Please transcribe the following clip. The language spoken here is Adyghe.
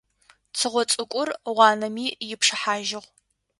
Цыгъо цӏыкӏур, гъуанэми ипшыхьажьыгъ.